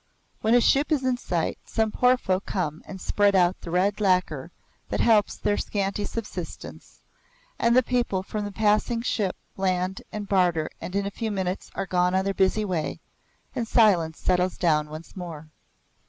When a ship is in sight, some poor folk come and spread out the red lacquer that helps their scanty subsistence, and the people from the passing ship land and barter and in a few minutes are gone on their busy way and silence settles down once more.